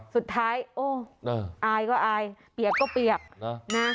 สุดท้ายอายก็อายเบียงก็เบียง